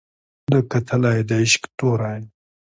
ده کتلى د عشق تورى